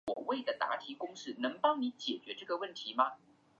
培根勒韦是一个位于美国阿拉巴马州兰道夫县的非建制地区。